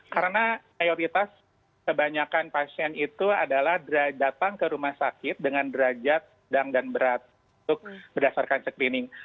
karena prioritas kebanyakan pasien itu adalah datang ke rumah sakit dengan derajat dang dan berat untuk berdasarkan screening